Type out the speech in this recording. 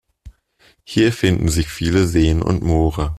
Hier finden sich viele Seen und Moore.